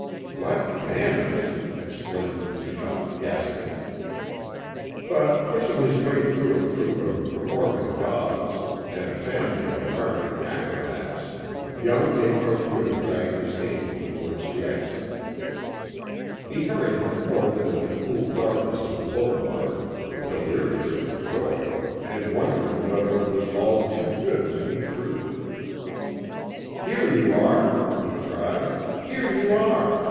"What manners!" exclaimed Bouchotte, gasping. But, pushing his way through a troop of performing dogs, and a family of American acrobats, young d'Esparvieu dragged his angel towards the exit. He hurried him forth into the cool darkness of the boulevard, delirious with joy and wondering whether it was all too good to be true. "Here you are!" he cried; "here you are!